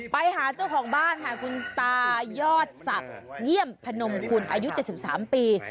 ไปหาเจ้าของบ้านค่ะคุณตายอดศักดิ์เยี่ยมพนมคุณอายุ๗๓ปี